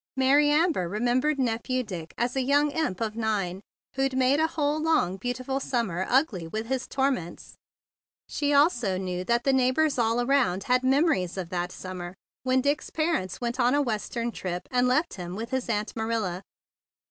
Mary Amber remembered Nephew Dick as a young imp of nine who made a whole long, beautiful summer ugly with his torments. She also knew that the neighbors all round about had mem¬ ories of that summer when Dick's parents went on a Western trip and left him with his Aunt Marilla.